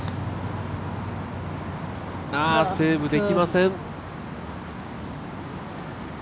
ああ、セーブできません。